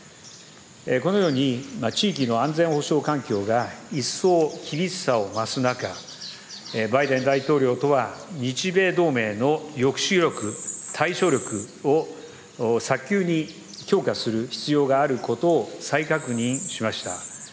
このように地域の安全保障環境が一層厳しさを増す中、バイデン大統領とは日米同盟の抑止力、対処力を早急に強化する必要があることを再確認しました。